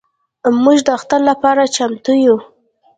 موږ د اختر لپاره چمتو یو.